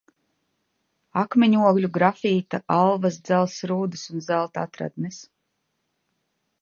Akmeņogļu, grafīta, alvas, dzelzs rūdas un zelta atradnes.